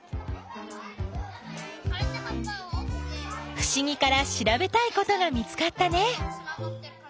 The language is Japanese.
ふしぎからしらべたいことが見つかったね。